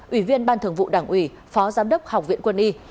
ủy viên ban thường vụ đảng ủy phó giám đốc học viện quân y